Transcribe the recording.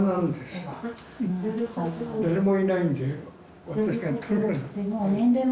誰もいないんで私が。